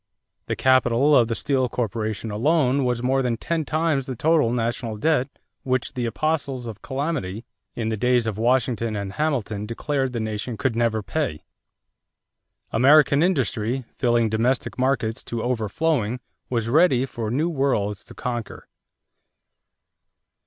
The capital of the Steel Corporation alone was more than ten times the total national debt which the apostles of calamity in the days of Washington and Hamilton declared the nation could never pay. American industry, filling domestic markets to overflowing, was ready for new worlds to conquer.